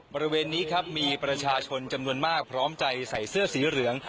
บริเวณนี้ครับมีประชาชนจำนวนมากพร้อมใจใส่เสื้อสีเหลือง